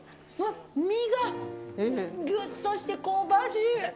身がぎゅっとして香ばしい。